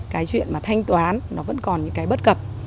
cái chuyện mà thanh toán nó vẫn còn những cái bất cập